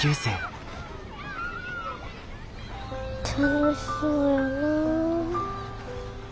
楽しそうやな。